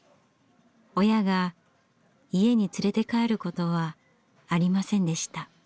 親が家に連れて帰ることはありませんでした。